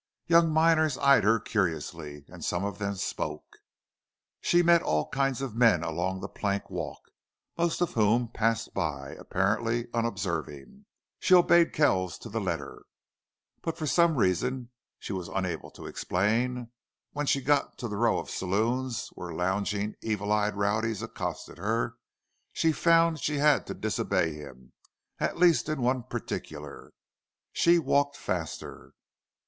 Young miners eyed her curiously, and some of them spoke. She met all kinds of men along the plank walk, most of whom passed by, apparently unobserving. She obeyed Kells to the letter. But for some reason she was unable to explain, when she got to the row of saloons, where lounging, evil eyed rowdies accosted her, she found she had to disobey him, at least in one particular. She walked faster.